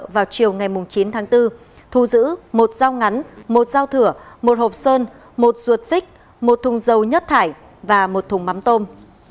vào chiều ngày chín tháng bốn thu giữ một dao ngắn một dao thửa một hộp sơn một ruột vích một thùng dầu nhất thải và một thùng mắm tôm